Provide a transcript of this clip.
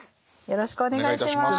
よろしくお願いします。